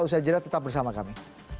usaha jeda tetap bersama kami